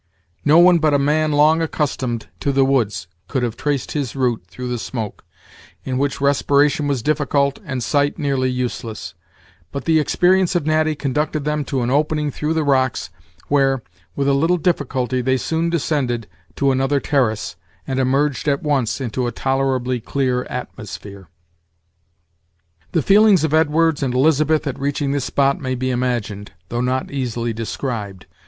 No one but a man long accustomed to the woods could have traced his route through the smoke, in which respiration was difficult, and sight nearly useless; but the experience of Natty conducted them to an opening through the rocks, where, with a little difficulty, they soon descended to another terrace, and emerged at once into a tolerably clear atmosphere. The feelings of Edwards and Elizabeth at reaching this spot may be imagined, though not easily described.